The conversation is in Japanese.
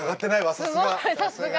さすが。